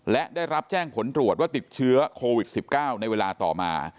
และได้รับแจ้งผลตรวจว่าติดเชื้อโควิด๑๙ในเวลาต่อมา